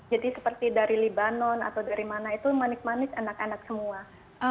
jadi seperti dari libanon atau dari mana itu manis manis anak anak semua